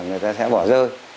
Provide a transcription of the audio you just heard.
người ta sẽ bỏ rơi